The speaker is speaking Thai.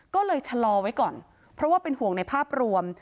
ก็เลยชะลอไว้ก่อนเพราะว่าเป็นห่วงในภาพรวม